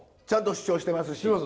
ちゃんと主張してますし。